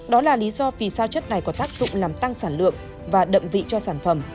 đó là lý do vì sao chất này có tác dụng làm tăng sản lượng và đậm vị cho sản phẩm